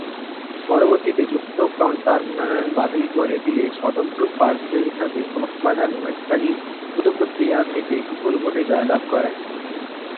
পরবর্তীতে যুক্তফ্রন্ট তার মনোনয়ন বাতিল করে দিলে স্বতন্ত্র প্রার্থী হিসেবে কক্সবাজার-মহেশখালী-কুতুবদিয়া থেকে বিপুল ভোটে জয়লাভ করেন।